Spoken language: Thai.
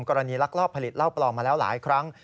ลักลอบผลิตเหล้าปลอมมาแล้วหลายครั้ง